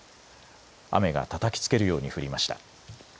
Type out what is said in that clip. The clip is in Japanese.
雨がたたきつけるように降りました。